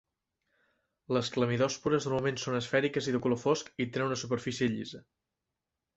Les clamidòspores normalment són esfèriques i de color fosc i tenen una superfície llisa.